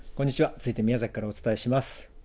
続いて宮崎からお伝えします。